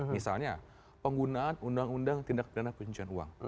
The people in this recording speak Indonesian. misalnya penggunaan undang undang tindak pidana pencucian uang